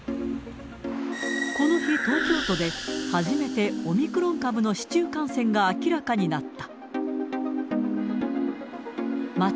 この日、東京都で初めてオミクロン株の市中感染が明らかになった。